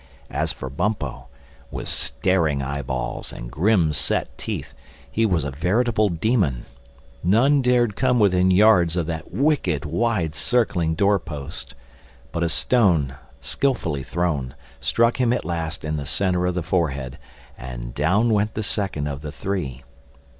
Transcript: As for Bumpo, with staring eye balls and grim set teeth, he was a veritable demon. None dared come within yards of that wicked, wide circling door post. But a stone, skilfully thrown, struck him at last in the centre of the forehead. And down went the second of the Three.